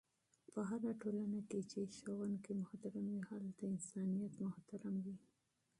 په هره ټولنه کي چي استاد محترم وي، هلته انسانیت محترم وي..